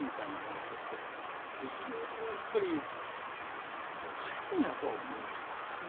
でそれがやっぱりおかしいなとは思いました。